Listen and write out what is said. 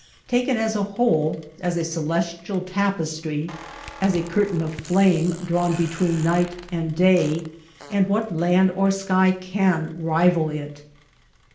Taken as a whole, as a celestial tapes try, as a curtain of flame drawn between night and day, and what land or sky can rival it